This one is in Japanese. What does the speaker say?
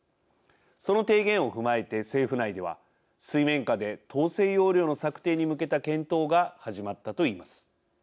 その提言を踏まえて、政府内では水面下で統制要領の策定に向けた検討が始まったと言います。